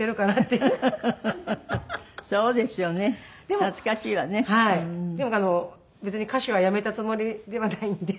でも別に歌手はやめたつもりではないんで。